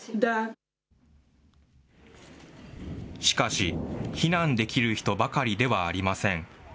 しかし、避難できる人ばかりではありません。